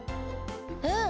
うん。